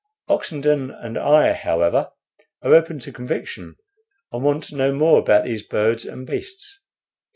Oxenden and I, however, are open to conviction, and want to know more about those birds and beasts.